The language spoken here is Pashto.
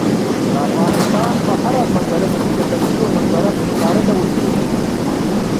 د افغانستان په هره منظره کې د کلیزو منظره په ښکاره ډول لیدل کېږي.